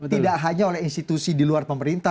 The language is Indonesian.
tidak hanya oleh institusi di luar pemerintah